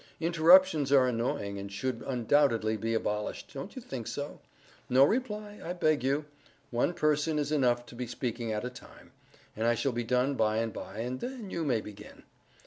Interruptions are annoying and should undoubtedly be abolished—don't you think so?—no reply, I beg you,—one person is enough to be speaking at a time.—I shall be done by and by, and then you may begin.